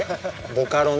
ボカロね？